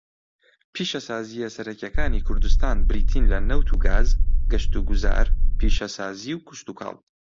پیشەسازییە سەرەکییەکانی کوردستان بریتین لە نەوت و گاز، گەشتوگوزار، پیشەسازی، و کشتوکاڵ.